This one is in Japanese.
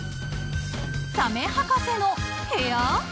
［サメ博士の部屋？］